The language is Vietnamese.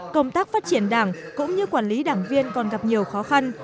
công tác phát triển đảng cũng như quản lý đảng viên còn gặp nhiều khó khăn